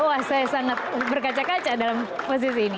wah saya sangat berkaca kaca dalam posisi ini